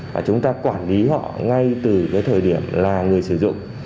và chúng ta quản lý họ ngay từ thời điểm là người nghiện